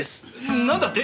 なんだって！？